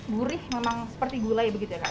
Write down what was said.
gurih memang seperti gulai begitu ya kang